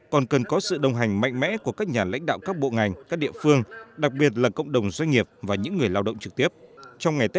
còn cần có sự đồng hành mạnh mẽ của các nhà lãnh đạo các bộ ngành các địa phương